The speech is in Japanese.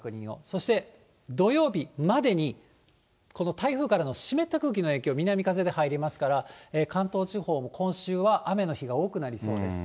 そして土曜日までにこの台風からの湿った空気の影響、南風で入りますから、関東地方も今週は雨の日が多くなりそうです。